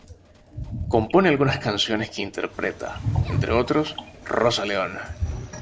Compone algunas canciones que interpreta, entre otros, Rosa León.